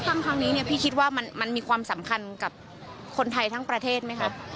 ตอนเลือกตั้งค่อนี้พี่คิดว่ามันมีความสำคัญกับคนไทยทั้งประเทศไหมครับ